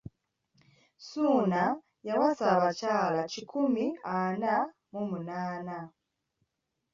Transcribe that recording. Ssuuna yawasa abakyala kikumi ana mu munaana.